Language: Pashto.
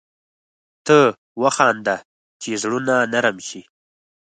ته وخانده چي زړونه نرم شي